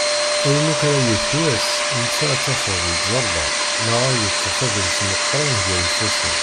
Ayen akk ara yekk wass netta ad tafeḍ yettẓala neɣ ad yeṭṭef adlis n leqran gar yifasen.